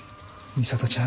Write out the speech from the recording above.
美里ちゃん